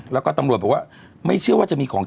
แล้วก็ตำรวจบอกว่าไม่เชื่อว่าจะมีของ